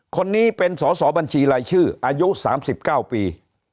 คนนี้เป็นสอสอบัญชีรายชื่ออายุ๓๙ปี